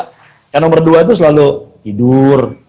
karena nomor dua itu selalu tidur